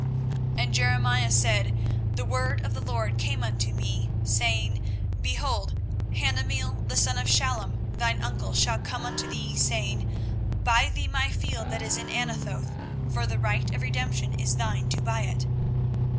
24:032:006 And Jeremiah said, The word of the LORD came unto me, saying, 24:032:007 Behold, Hanameel the son of Shallum thine uncle shall come unto thee saying, Buy thee my field that is in Anathoth: for the right of redemption is thine to buy it.